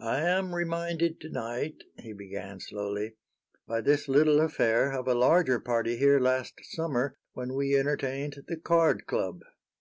"I am reminded tonight," he began, slowly, "by this little affair of a larger party here last summer, when we entertained the card club."